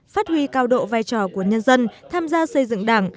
phát huy cao độ vai trò của nhân dân tham gia xây dựng đảng